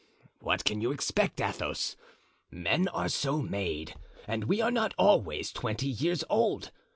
"What can you expect, Athos? Men are so made; and we are not always twenty years old.